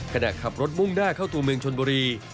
คราบรถมุ่งหน้าเข้าตรู่เมืองชนบุรี